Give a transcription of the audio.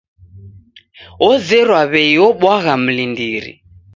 Ozerwa w'ei obwagha mlindiri.